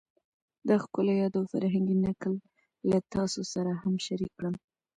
دا ښکلی یاد او فرهنګي نکل له تاسو سره هم شریک کړم